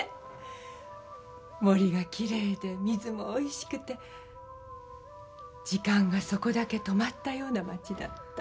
森がきれいで水もおいしくて時間がそこだけ止まったような町だった。